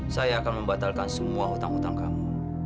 saya akan membatalkan semua hutang hutang kamu